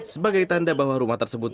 sebagai tanda bahwa rumah tersebut